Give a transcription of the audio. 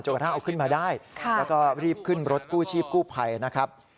กระทั่งเอาขึ้นมาได้แล้วก็รีบขึ้นรถกู้ชีพกู้ภัยนะครับ